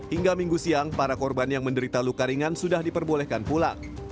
hingga minggu siang para korban yang menderita luka ringan sudah diperbolehkan pulang